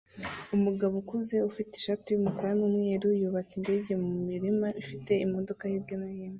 Umugabo ukuze ufite ishati yumukara numweru yubaka indege mumurima ufite imodoka hirya no hino